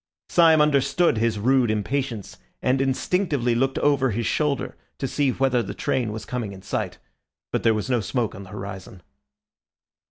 Syme understood his rude impatience and instinctively looked over his shoulder to see whether the train was coming in sight. But there was no smoke on the horizon.